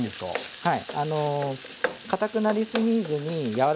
はい。